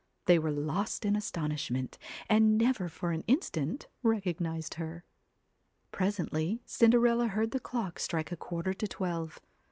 They were lost in as ELLA tonishment, and never for an instant recognised her. Presently Cinderella heard the clock strike a quarter to twelve.